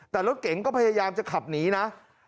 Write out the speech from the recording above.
แต่รถเก๋งก็พยายามจะขับหนีนะ